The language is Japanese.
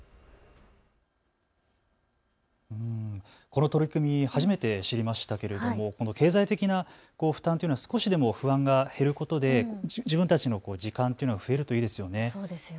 この取り組み、初めて知りましたけれども経済的な負担というのは少しでも負担が減ることで自分たちの時間が増えるといいですよね。